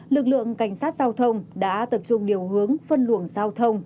lực lượng cảnh sát giao thông đã tập trung điều hướng phân luồng giao thông